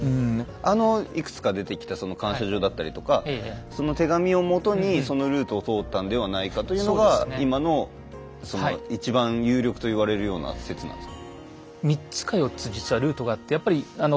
あのいくつか出てきたその感謝状だったりとかその手紙をもとにそのルートを通ったんではないかというのが今のその一番有力と言われるような説なんですか？